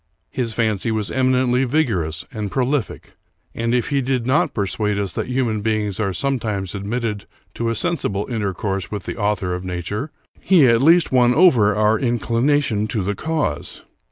His fancy was eminently vigorous and prolific; and, if he did not persuade us that human beings are sometimes admitted to a sensible intercourse with the Author of nature, he at least won over our inclination to the cause.